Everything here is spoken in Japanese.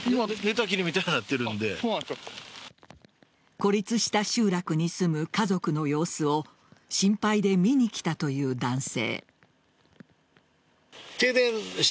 孤立した集落に住む家族の様子を心配で見に来たという男性。